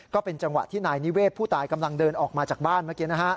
ก็เป็นจังหวะที่นายนิเวศผู้ตายกำลังเดินออกมาจากบ้านเมื่อกี้